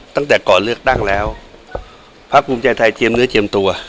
ตั้งแต่ก่อนเลือกตั้งแล้วพักภูมิใจไทยเทียมเนื้อเจียมตัว